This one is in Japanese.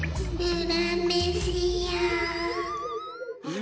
あ！